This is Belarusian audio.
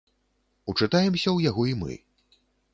Учытаемся ў яго і мы.